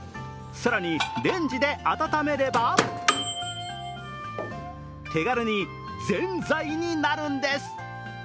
更にレンジで温めれば手軽にぜんざいになるんです。